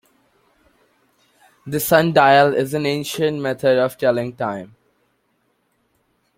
The sundial is an ancient method of telling time.